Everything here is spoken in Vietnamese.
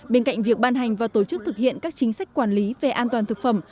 bên cạnh việc ban hành và tổ chức thực hiện các chính sách quản lý về an toàn thực phẩm